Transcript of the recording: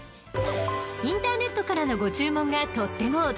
［インターネットからのご注文がとってもお得！］